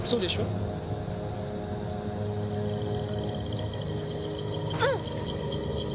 うん。